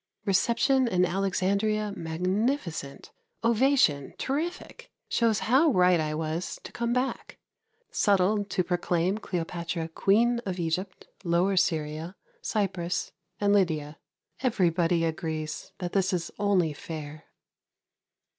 Reception in Alexandria magnificent. Ovation terrific. Shows how right I was to come back. Settled to proclaim Cleopatra Queen of Egypt, Lower Syria, Cyprus and Lydia. Everybody agrees that this is only fair.